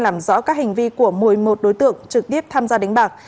làm rõ các hành vi của một mươi một đối tượng trực tiếp tham gia đánh bạc